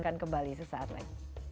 kita kembali sesaat lagi